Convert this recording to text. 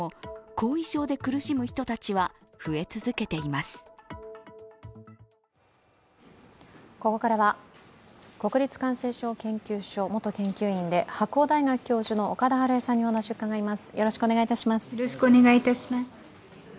ここからは国立感染症研究所元研究員で白鴎大学教授の岡田晴恵さんにお話を伺います。